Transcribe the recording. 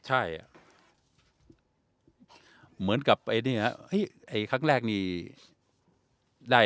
ใช่เหมือนกับไอ้เนี่ยไอ้ครั้งแรกนี้ได้